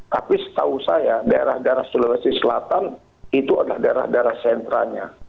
tapi setahu saya daerah daerah sulawesi selatan itu adalah daerah daerah sentranya